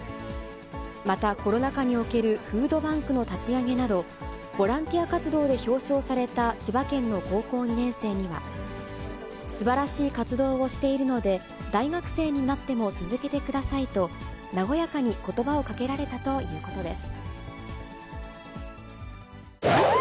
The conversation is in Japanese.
またコロナ禍におけるフードバンクの立ち上げなど、ボランティア活動で表彰された千葉県の高校２年生には、すばらしい活動をしているので、大学生になっても続けてくださいと、和やかにことばをかけられたということです。